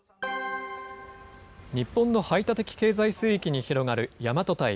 日本の排他的経済水域に広がる大和堆。